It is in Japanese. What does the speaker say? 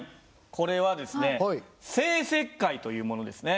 これはですね生石灰というものですね。